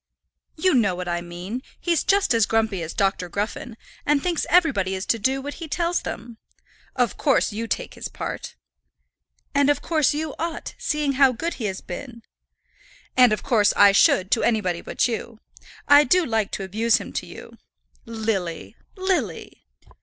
"You know what I mean. He's just as grumpy as Dr. Gruffen, and thinks everybody is to do what he tells them. Of course, you take his part." "And of course you ought, seeing how good he has been." "And of course I should, to anybody but you. I do like to abuse him to you." "Lily, Lily!"